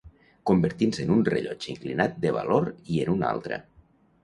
Convertint-se en un rellotge inclinat de valor i en una altra.